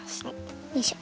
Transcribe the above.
よいしょ。